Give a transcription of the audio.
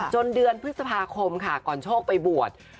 เดือนพฤษภาคมค่ะก่อนโชคไปบวช